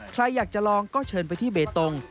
ใครอยากจะลองก็เชิญไปที่เบตง